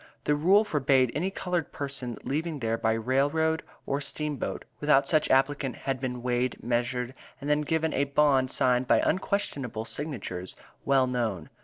The rule forbade any colored person leaving there by rail road or steamboat, without such applicant had been weighed, measured, and then given a bond signed by unquestionable signatures, well known.